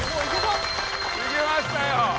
いけましたよ！